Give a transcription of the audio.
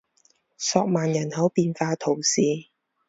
索曼人口变化图示